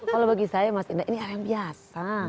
kalau bagi saya mas indra ini hal yang biasa